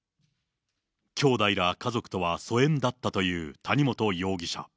きょうだいら家族とは疎遠だったという谷本容疑者。